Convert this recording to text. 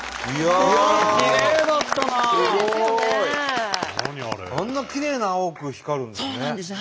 あんなきれいな青く光るんですね。